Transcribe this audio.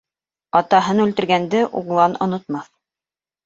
Атаһын үлтергәнде углан онотмаҫ.